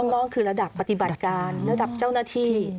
นอกคือระดับปฏิบัติการระดับเจ้าหน้าที่